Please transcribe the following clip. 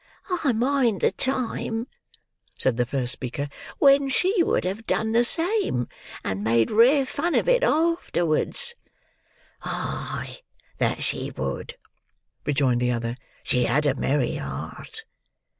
"I mind the time," said the first speaker, "when she would have done the same, and made rare fun of it afterwards." "Ay, that she would," rejoined the other; "she had a merry heart.